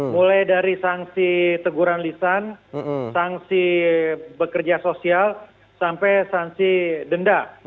mulai dari sanksi teguran lisan sanksi bekerja sosial sampai sanksi denda